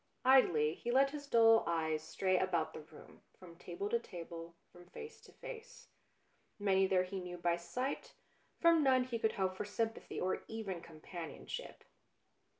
Idly he let his dull eyes stray about the room, from table to table, from face to face. Many there he knew by sight, from none could he hope for sympathy or even com panionship.